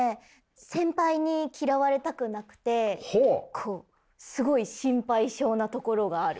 先輩に嫌われたくなくてこうすごい心配性なところがある。